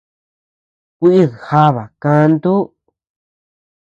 Kuid jaba kaantu.